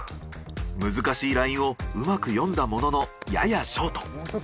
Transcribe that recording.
難しいラインをうまく読んだもののややショート。